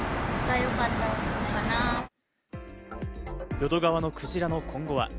淀川のクジラの今後は？